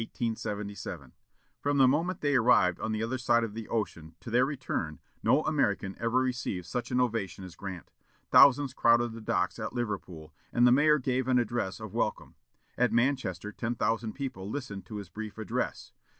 From the moment they arrived on the other side of the ocean to their return, no American ever received such an ovation as Grant. Thousands crowded the docks at Liverpool, and the mayor gave an address of welcome. At Manchester, ten thousand people listened to his brief address.